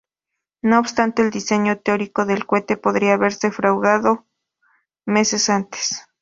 No obstante, el diseño teórico del cohete podría haberse fraguado meses antes.